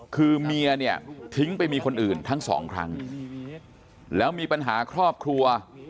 คือเมียเนี่ยทิ้งไปมีคนอื่นทั้งสองครั้งแล้วมีปัญหาครอบครัว